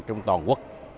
trong toàn quốc